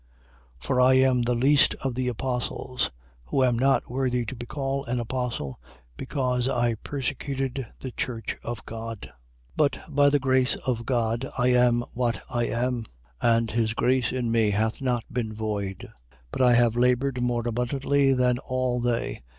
15:9. For I am the least of the apostles, who am not worthy to be called an apostle, because I persecuted the church of God. 15:10. But by the grace of God, I am what I am. And his grace in me hath not been void: but I have laboured more abundantly than all they.